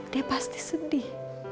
dia pasti sedih